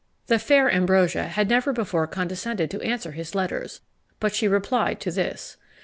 The fair Ambrosia had never before condescended to answer his letters; but she replied to this.